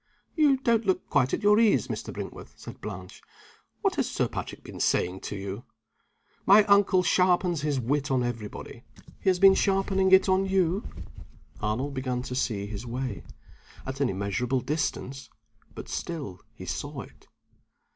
"You don't look quite at your ease, Mr. Brinkworth," said Blanche. "What has Sir Patrick been saying to you? My uncle sharpens his wit on every body. He has been sharpening it on you?" Arnold began to see his way. At an immeasurable distance but still he saw it.